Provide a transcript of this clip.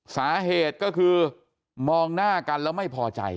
สาเหตุก็คือมองหน้ากันแล้วไม่พอใจ